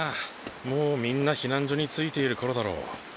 もうみんな避難所に着いている頃だろう。